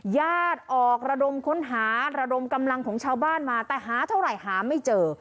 ญาติออกระดมค้นหาระดมกำลังของชาวบ้านมาแต่หาเท่าไหร่หาไม่เจอ